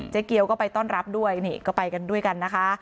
เกียวก็ไปต้อนรับด้วยนี่ก็ไปกันด้วยกันนะคะ